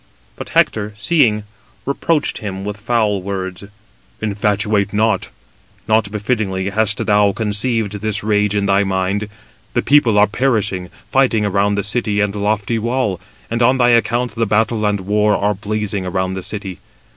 But Hector, seeing, reproached him with foul words: "Infatuate; not befittingly hast thou conceived this rage in thy mind: the people are perishing, fighting around the city and the lofty wall: and on thy account the battle and war are blazing around the city.